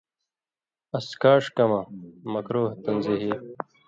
اڅھکاݜ کمہۡ (مکروہ تنزیہی)